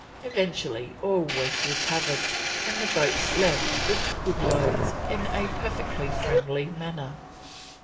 Eventually all was recovered, and the boats left with good loads in a perfectly friendly manner.